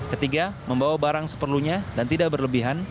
ketiga membawa barang seperlunya dan tidak berlebihan